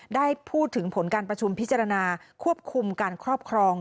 ได้พูดถึงผลการประชุมพิจารณาควบคุมการครอบครอง